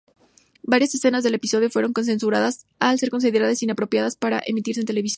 Varias escenas del episodio fueron censuradas al ser consideradas inapropiadas para emitirse en televisión.